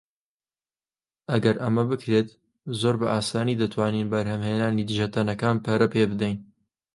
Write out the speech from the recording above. ئەگەر ئەمە بکرێت، زۆر بە ئاسانی دەتوانین بەرهەمهێنانی دژەتەنەکان پەرە پێبدەین.